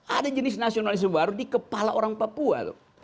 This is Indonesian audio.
ada jenis nasionalisme baru di kepala orang papua